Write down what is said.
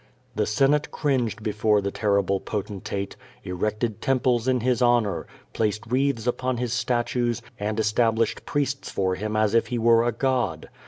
The Senate cringed before the terrible potentate, erected temples in his honor, placed wreaths upon his statues, and established priests for him as if he were a god.